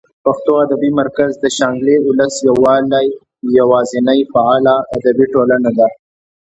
پښتو ادبي مرکز د شانګلې اولس والۍ یواځینۍ فعاله ادبي ټولنه ده